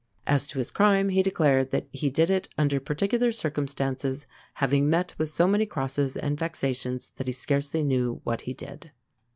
As to his crime, he declared that he did it 'under particular circumstances, having met with so many crosses and vexations that he scarcely knew what he did."